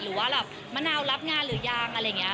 หรือว่าแบบมะนาวรับงานหรือยังอะไรอย่างนี้